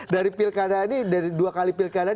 dari pilkada ini dari dua kali pilkada